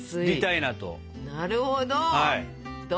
なるほど。